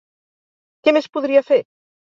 Què més podria fer?